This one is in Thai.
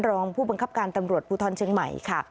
รองผู้บังคับการตำรวจภูทรเชียงใหม่ค่ะ